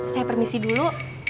saya permisi dulu